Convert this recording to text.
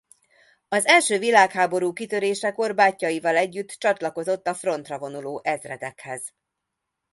Az első világháború kitörésekor bátyjaival együtt csatlakozott a frontra vonuló ezredekhez.